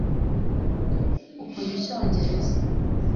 ukunda icyongereza